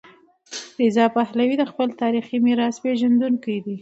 رضا پهلوي د خپل تاریخي میراث پیژندونکی دی.